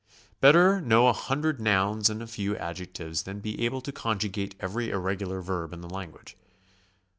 Better know a hundred nouns and a few adjectives than be able to conjugate every irregular verb in the language.